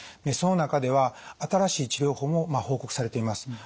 その中では新しい治療法も報告されています。